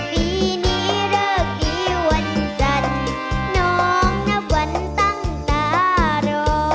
ปีนี้เลิกดีวันจันทร์น้องนับวันตั้งตารอ